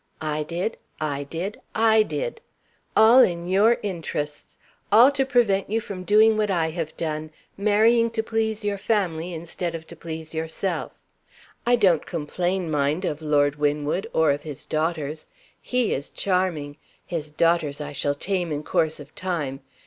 I did! I did! I did! All in your interests. All to prevent you from doing what I have done marrying to please your family instead of to please yourself. (I don't complain, mind, of Lord Winwood, or of his daughters. He is charming; his daughters I shall tame in course of time.